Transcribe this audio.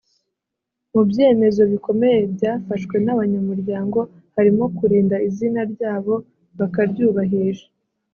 Mu byemezo bikomeye byafashwe n’abanyamuryango harimo kurinda izina ryabo bakaryubahisha